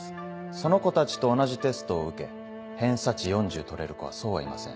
その子たちと同じテストを受け偏差値４０取れる子はそうはいません。